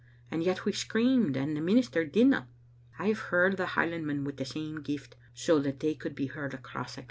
And yet we screamed, and the minister didna. I've heard o' Highlandmen wi' the same gift, 80 that they coHld be heard across a glen."